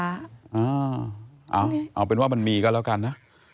เอาเป็นว่ามันมีก็แล้วกันนะ